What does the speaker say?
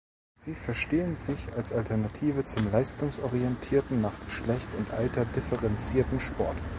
Sie verstehen sich als Alternative zum leistungsorientierten, nach Geschlecht und Alter differenzierten Sport.